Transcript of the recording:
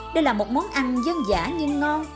đây là một món ăn dân giả nhưng ngon